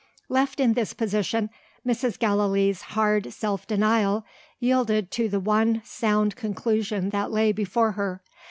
Left in this position, Mrs. Gallilee's hard self denial yielded to the one sound conclusion that lay before her.